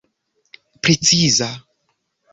preciza